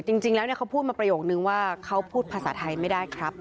จริงแล้วเขาพูดมาประโยคนึงว่าเขาพูดภาษาไทยไม่ได้ครับ